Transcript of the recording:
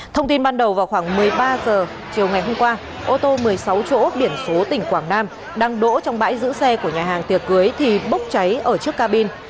thông tin ban đầu vào khoảng một mươi ba h chiều ngày hôm qua ô tô một mươi sáu chỗ biển số tỉnh quảng nam đang đỗ trong bãi giữ xe của nhà hàng tiệc cưới thì bốc cháy ở trước cabin